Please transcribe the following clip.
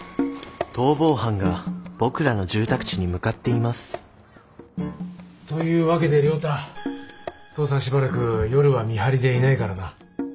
逃亡犯が僕らの住宅地に向かっていますというわけで亮太父さんしばらく夜は見張りでいないからな。